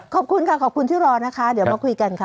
ขอบคุณค่ะขอบคุณที่รอนะคะเดี๋ยวมาคุยกันค่ะ